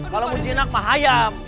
kalau menginak mah ayam